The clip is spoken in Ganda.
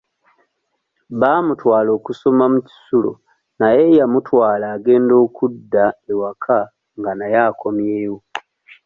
Baamutwala okusoma mu kisulo naye eyamutwala agenda okudda ewaka nga naye akomyewo.